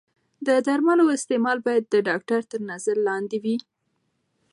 د درملو استعمال باید د ډاکتر تر نظر لاندې وي.